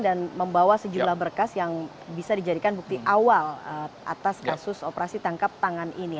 dan membawa sejumlah berkas yang bisa dijadikan bukti awal atas kasus operasi tangkap tangan ini